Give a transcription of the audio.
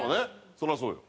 それはそうよ。